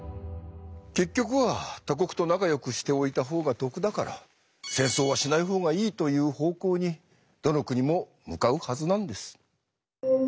結局は他国と仲良くしておいた方が得だから戦争はしない方がいいという方向にどの国も向かうはずなんです。